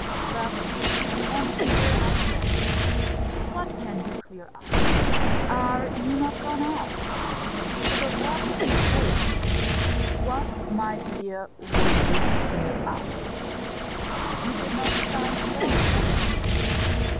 But you want to clear up things what can you clear up? Are you not gone off? With a Lovelace too? What, my dear, would you clear up? You did not design to go, you say.